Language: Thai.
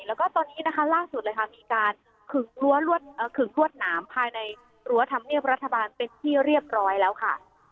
แล้วก็ตอนนี้นะคะล่าสุดเลยค่ะมีการขึงขึงรวดหนามภายในรั้วธรรมเนียบรัฐบาลเป็นที่เรียบร้อยแล้วค่ะ